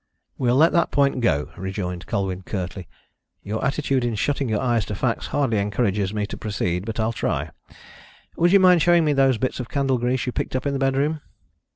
"We'll let that point go," rejoined Colwyn curtly. "Your attitude in shutting your eyes to facts hardly encourages me to proceed, but I'll try. Would you mind showing me those bits of candle grease you picked up in the bedroom?"